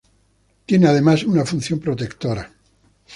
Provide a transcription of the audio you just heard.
Tiene además una función protectora.